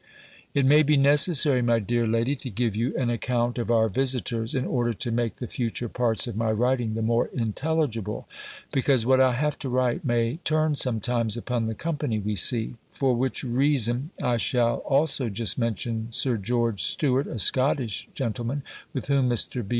It may be necessary, my dear lady, to give you an account of our visitors, in order to make the future parts of my writing the more intelligible; because what I have to write may turn sometimes upon the company we see: for which reason, I shall also just mention Sir George Stuart, a Scottish gentleman, with whom Mr. B.